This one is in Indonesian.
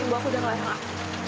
ibu aku udah ngelarang aku